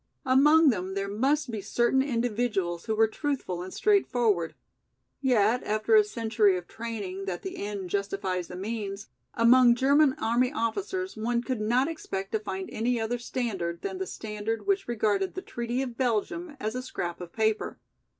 Among them there must be certain individuals who were truthful and straightforward. Yet after a century of training that the end justified the means, among German army officers one could not expect to find any other standard, than the standard which regarded the treaty of Belgium as a "scrap of paper."